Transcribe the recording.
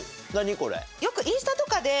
これ。